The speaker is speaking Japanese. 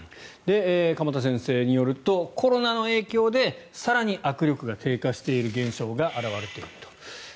鎌田先生によるとコロナの影響で更に握力が低下している現象が表れていると。